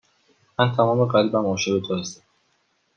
من تمام قلبم عاشق تو هستم.